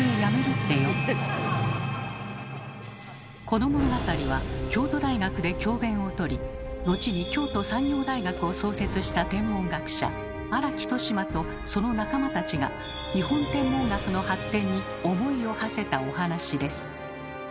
この物語は京都大学で教べんを執り後に京都産業大学を創設した天文学者荒木俊馬とその仲間たちが日本天文学の発展に思いをはせたお話です。